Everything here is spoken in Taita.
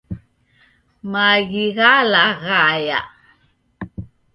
Maghi ghalaghaya